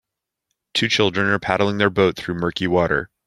Two children are paddling their boat through murky water.